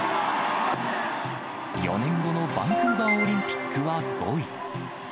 ４年後のバンクーバーオリンピックは５位。